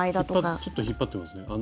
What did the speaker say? ちょっと引っ張ってますね。